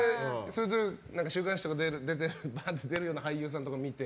週刊誌とかに出るような俳優さんを見て？